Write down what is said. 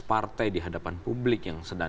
partai dihadapan publik yang sedang